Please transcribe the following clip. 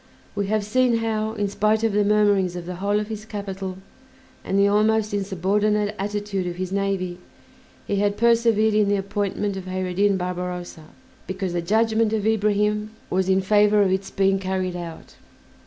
We have seen how, in spite of the murmurings of the whole of his capital, and the almost insubordinate attitude of his navy, he had persevered in the appointment of Kheyr ed Din Barbarossa, because the judgment of Ibrahim was in favor of its being carried out.